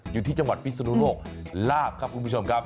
อยู่ที่จังหวัดพิศนุโลกลาบครับคุณผู้ชมครับ